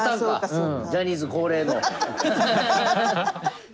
ジャニーズ恒例の。